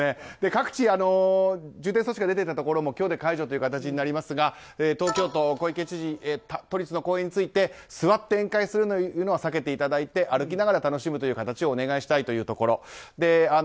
各地重点措置が出ていたところも今日で解除という形になりますが東京都の小池知事は都立の公園について座って宴会をするのは避けていただいて歩きながら楽しむという形をお願いしたいというところ。